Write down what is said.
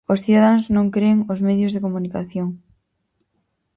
Os cidadáns non cren os medios de comunicación.